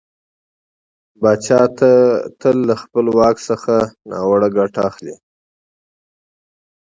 پاچا تل له خپله واک څخه ناوړه ګټه اخلي .